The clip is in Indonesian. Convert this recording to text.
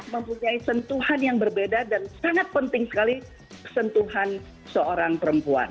mempunyai sentuhan yang berbeda dan sangat penting sekali sentuhan seorang perempuan